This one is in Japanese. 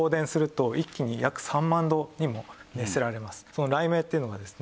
その雷鳴っていうのがですね